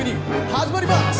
始まります！